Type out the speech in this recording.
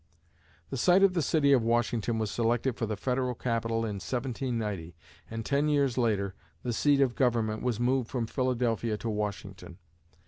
The site of the city of Washington was selected for the Federal Capital in 1790, and ten years later, the seat of government was moved from Philadelphia to Washington.